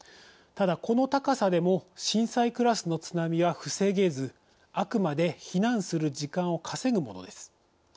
ただ、この高さでも震災クラスの津波は防げずあくまで避難する時間を稼ぐものです。